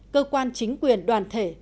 cơ quan chính quyền đoàn thể